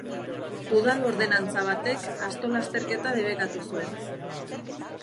Udal ordenantza batek asto lasterketa debekatu zuen.